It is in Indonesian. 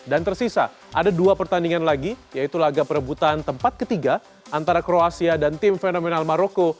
dan tersisa ada dua pertandingan lagi yaitu laga perebutan tempat ketiga antara kroasia dan tim fenomenal maroko